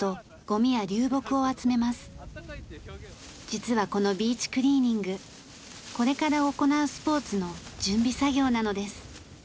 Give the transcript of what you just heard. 実はこのビーチクリーニングこれから行うスポーツの準備作業なのです。